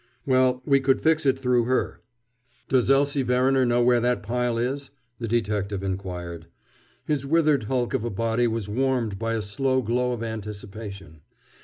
"Well, we could fix it through her." "Does Elsie Verriner know where that pile is?" the detective inquired. His withered hulk of a body was warmed by a slow glow of anticipation.